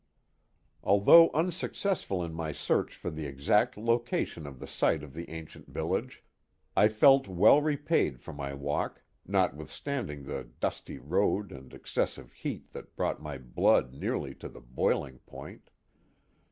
Although unsuccessful in my search for the exact location of the site of the ancient village, 1 felt well repaid for my walk, notwithstanding the dusty road and excessive heat that brought my blood nearly to the boiling point.